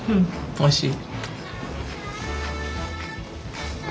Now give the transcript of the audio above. おいしい？